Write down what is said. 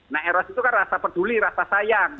nah erosi itu kan rasa peduli rasa sayang